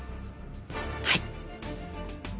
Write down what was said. はい。